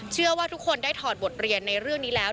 เชื่อว่าทุกคนได้ถอดบทเรียนในเรื่องนี้แล้ว